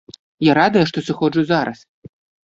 Я радая, што сыходжу зараз.